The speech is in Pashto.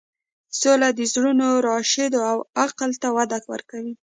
سوله د زړونو راشدو او عقل ته وده ورکوي.